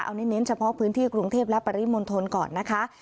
อันนี้เน้นเฉพาะพื้นที่กรุงเทพและปริมณฑลก่อนนะคะ